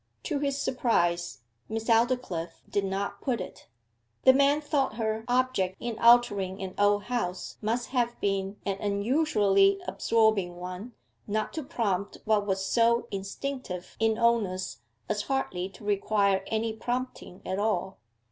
To his surprise, Miss Aldclyffe did not put it. The man thought her object in altering an old house must have been an unusually absorbing one not to prompt what was so instinctive in owners as hardly to require any prompting at all.